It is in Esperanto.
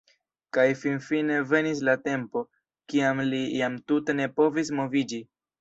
Kaj finfine venis la tempo, kiam li jam tute ne povis moviĝi.